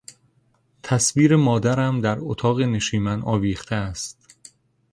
تصویر مادرم در اتاق نشیمن آویخته است.